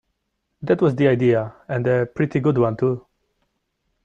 That was the idea, and a pretty good one too.